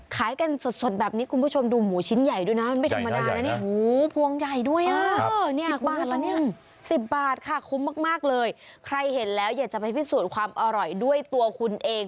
ขายกันสดแบบนี้คุณผู้ชมดูหมูชิ้นใหญ่ดูนะมันไม่ต่อมาดานนะโหห่วงใหญ่ด้วยค่ะ๑๐บาทคุณผู้ชมมากเลยใครเห็นแล้วอยากจะมาพิสูจน์ความอร่อยด้วยตัวคุณเอง